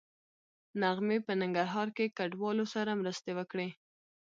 نغمې په ننګرهار کې کډوالو سره مرستې وکړې